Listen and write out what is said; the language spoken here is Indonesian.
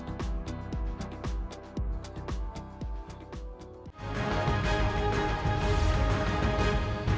itulah makna kebersamaan dalam keberagaman di tengah pegunungan dataran rendah hingga perut bumi